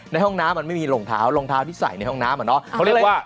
ห้องน้ำมันไม่มีรองเท้ารองเท้าที่ใส่ในห้องน้ำอ่ะเนอะเขาเรียกว่า